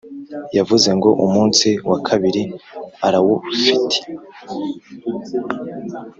yavuze ngo umunsi wakabiri arawufite